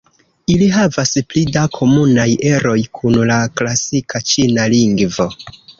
Ili havas pli da komunaj eroj kun la klasika ĉina lingvo.